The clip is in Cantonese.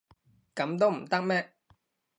噉都唔得咩？